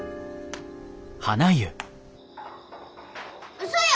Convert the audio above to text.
うそや！